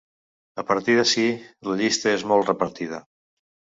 A partir d’ací la llista és molt repartida.